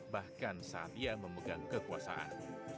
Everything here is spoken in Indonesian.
bahkan saat ia memegang kekuasaan